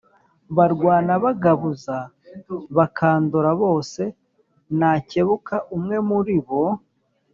Barwana bagabuza Bakandora bose Nakebuka umwe muri bo